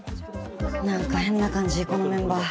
何か変な感じこのメンバー。